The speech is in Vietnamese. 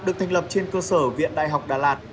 được thành lập trên cơ sở viện đại học đà lạt